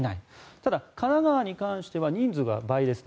ただ、神奈川に関しては人数が倍ですね。